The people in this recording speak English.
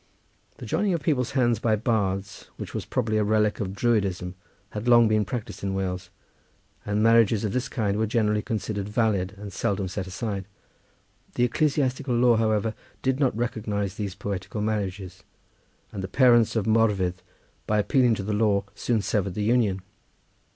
The joining of people's hands by bards, which was probably a relic of Druidism, had long been practised in Wales, and marriages of this kind were generally considered valid, and seldom set aside. The ecclesiastical law, however, did not recognise these poetical marriages, and the parents of Morfudd by appealing to the law soon severed the union.